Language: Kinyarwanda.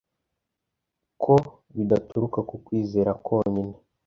F ko bidaturuka ku kwizera konyine